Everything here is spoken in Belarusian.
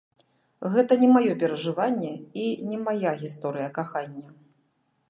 Гэта не маё перажыванне і не мая гісторыя кахання.